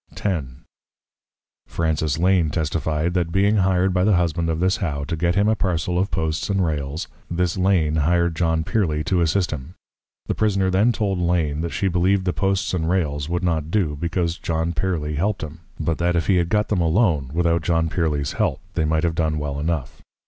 _ X. Francis Lane testified, That being hired by the Husband of this How to get him a parcel of Posts and Rails, this Lane hired John Pearly to assist him. This Prisoner then told Lane, That she believed the Posts and Rails would not do, because John Pearly helped him; but that if he had got them alone, without John Pearly's help, they might have done well enough.